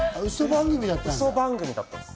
うそ番組だったんです。